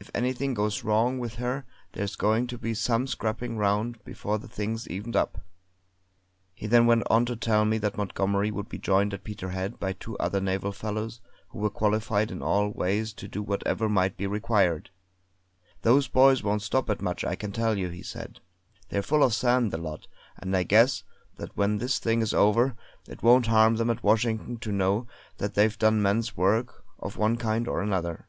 If anything goes wrong with her there's going to be some scrapping round before the thing's evened up!" He then went on to tell me that Montgomery would be joined at Peterhead by two other naval fellows who were qualified in all ways to do whatever might be required. "Those boys won't stop at much, I can tell you," he said. "They're full of sand, the lot; and I guess that when this thing is over, it won't harm them at Washington to know that they've done men's work of one kind or another."